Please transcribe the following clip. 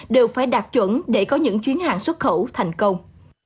đều phải đạt chuẩn để có những chuyến hàng xuất khẩu thành công